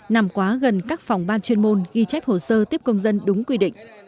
nằm quá gần các phòng ban chuyên môn ghi chép hồ sơ tiếp công dân đúng quy định